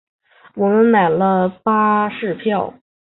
我们买了巴士票